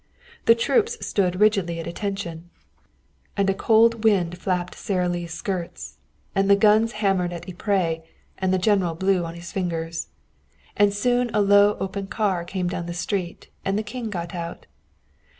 The troops stood rigidly at attention. And a cold wind flapped Sara Lee's skirts, and the guns hammered at Ypres, and the general blew on his fingers. And soon a low open car came down the street and the King got out.